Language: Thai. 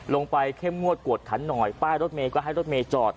เข้มงวดกวดขันหน่อยป้ายรถเมย์ก็ให้รถเมย์จอด